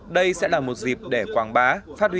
đây sẽ là một dịp để quảng bá phát huy